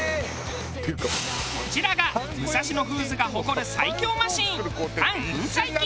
こちらが武蔵野フーズが誇る最強マシン